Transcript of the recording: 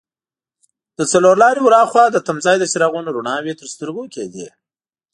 له څلور لارې ور هاخوا د تمځای د څراغونو رڼاوې تر سترګو کېدې.